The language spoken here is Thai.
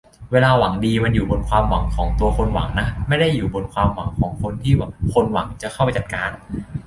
เวลา หวังดี มันอยู่บนความหวังของตัวคนหวังนะ ไม่ได้อยู่บนความหวังของคนที่คนหวังจะเข้าไปจัดการ